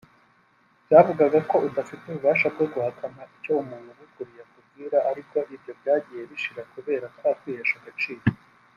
byavugaga ko udafite ububasha bwo guhakanya icyo umuntu ugukuriye akubwira ariko ibyo byagiye bishira kubera kwa kwihesha agaciro